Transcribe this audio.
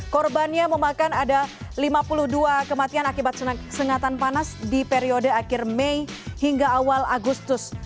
korbannya memakan ada lima puluh dua kematian akibat sengatan panas di periode akhir mei hingga awal agustus